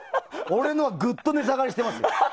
俺のはぐっと値下がりしています。